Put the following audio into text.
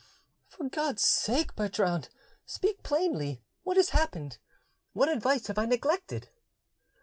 "For God's sake, Bertrand, speak plainly: what has happened? What advice have I neglected?"